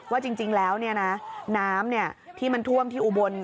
ว่าจริงแล้วน้ำที่มันท่วมที่อุบล